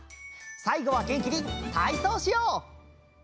さいごはげんきにたいそうしよう！